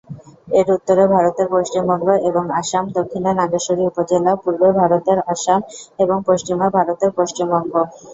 এর উত্তরে ভারতের পশ্চিমবঙ্গ এবং আসাম; দক্ষিণে নাগেশ্বরী উপজেলা; পূর্বে ভারতের আসাম এবং পশ্চিমে ভারতের পশ্চিমবঙ্গ।